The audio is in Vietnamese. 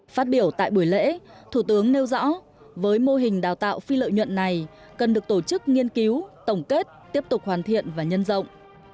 phát biểu tại buổi lễ thủ tướng nêu rõ với mô hình đào tạo phi lợi nhuận này cần được tổ chức nghiên cứu tổng kết tiếp tục hoàn thiện và nhân rộng